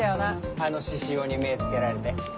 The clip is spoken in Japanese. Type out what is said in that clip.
あの獅子王に目つけられて。